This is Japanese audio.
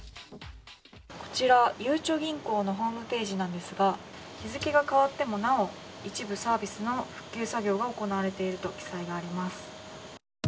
こちら、ゆうちょ銀行のホームページですが日付が変わっても、なおシステム復旧が行われているという書き込みがあります。